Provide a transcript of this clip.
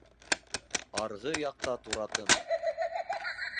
Арғы яҡта туратым